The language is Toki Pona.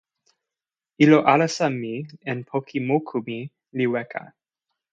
ilo alasa mi en poki moku mi li weka.